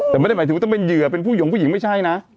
แต่ไม่ได้หมายถึงว่าต้องเป็นเหยื่อเป็นผู้หยงผู้หญิงไม่ใช่นะ